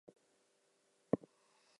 I tell my sibling that I am probably gay.